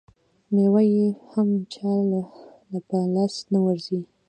مېوه یې هم چا له په لاس نه ورځي.